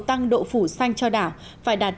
tăng độ phủ xanh cho đảo phải đạt